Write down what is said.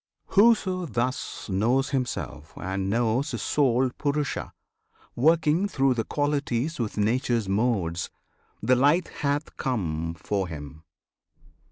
Whoso thus knows himself, and knows his soul PURUSHA, working through the qualities With Nature's modes, the light hath come for him!